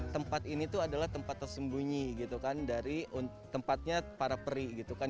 tempat ini tuh adalah tempat tersembunyi gitu kan dari tempatnya para peri gitu kan